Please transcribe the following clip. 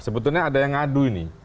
sebetulnya ada yang ngadu ini